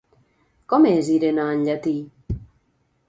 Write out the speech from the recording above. Com és Irene en llatí?